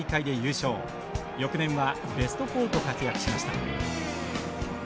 翌年はベスト４と活躍しました。